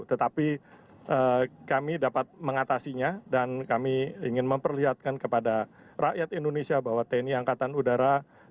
tetapi kami dapat mengatasinya dan kami ingin memperlihatkan kepada rakyat indonesia bahwa tni angkatan udara